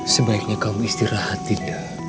sebaiknya kamu istirahat dinda